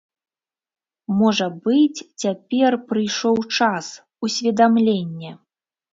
Можа быць, цяпер прыйшоў час, усведамленне.